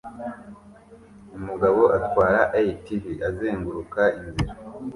Umugabo atwara ATV azenguruka inzira